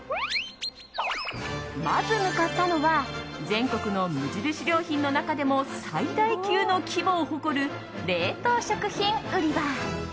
まず向かったのは全国の無印良品の中でも最大級の規模を誇る冷凍食品売り場。